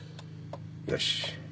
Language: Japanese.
よし。